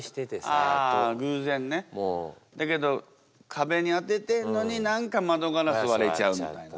壁に当ててんのに何か窓ガラス割れちゃうみたいな。